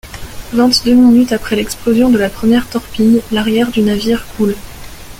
Vingt-deux minutes après l'explosion de la première torpille, l'arrière du navire coule.